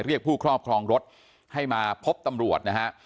เรียกผู้ครอบครองรถให้มาพบตำรวจนะฮะ